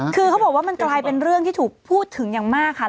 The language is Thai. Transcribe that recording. คือเขาบอกว่ามันกลายเป็นเรื่องที่ถูกพูดถึงอย่างมากค่ะ